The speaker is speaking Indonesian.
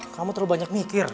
kamu terlalu banyak mikir